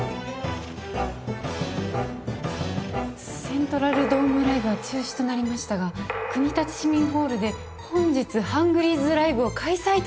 「セントラルドームライブは中止となりましたが国立市民ホールで本日ハングリーズライブを開催いたします」！？